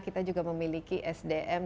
kita juga memiliki sdm